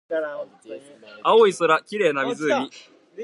青い空、綺麗な湖